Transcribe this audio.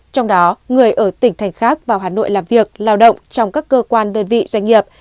trong đó người ở tỉnh thành khác vào hà nội làm việc lao động trong các cơ quan đơn vị doanh nghiệp